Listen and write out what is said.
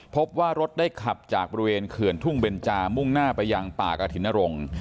พบว่ารถได้ขับจากบริเวณเขื่อนทุ่งเบนจามุ่งหน้าไปยังป่ากระถิ่นนรงค์